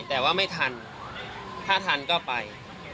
แต่ว่าไม่ทันถ้าทันก็ไป